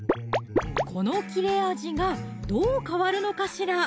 この切れ味がどう変わるのかしら？